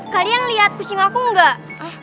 kalian lihat kucing aku enggak